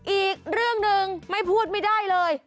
อีกเรื่องหนึ่งไม่พูดไม่ได้เลย